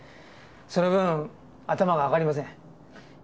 その分頭が上がりません。